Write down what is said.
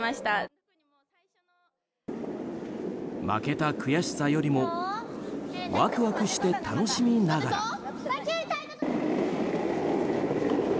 負けた悔しさよりもワクワクして楽しみながら。